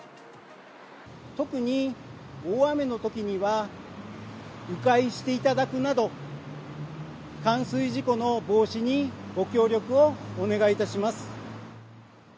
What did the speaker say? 特に大雨のときには、う回していただくなど、冠水事故の防止にご協力をお願いいたします。